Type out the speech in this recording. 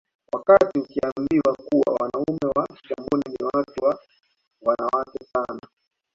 Wakati tukiambiwa kuwa wanaume wa Kingoni ni watu wa wanawake sana